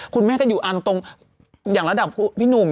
คุณแม่จะอยู่อันตรงอย่างระดับพี่หนุ่ม